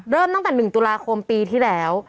เริ่มตั้งแต่๑ตุลาคมปีที่แล้ว